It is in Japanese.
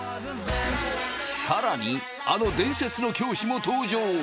更にあの伝説の教師も登場！